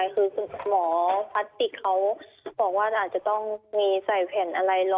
คือคือหมอพลาสติกเขาบอกว่าอาจจะต้องมียังไง